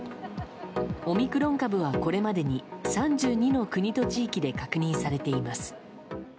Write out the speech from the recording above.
オミクロン株はこれまでに３２の国と地域で確認されています。